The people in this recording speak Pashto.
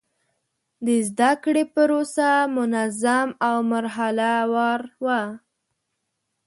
د زده کړې پروسه منظم او مرحله وار وه.